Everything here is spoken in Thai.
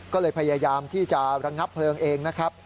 ก็เลยพยายามที่จะระงับเพลิงเองนะครับ